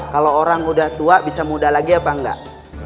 kalau orang udah tua bisa muda lagi apa enggak